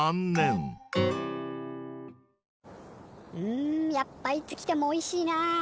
うんやっぱいつ来てもおいしいな。